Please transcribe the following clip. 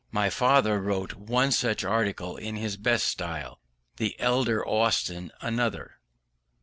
My father wrote one article in his best style; the elder Austin another.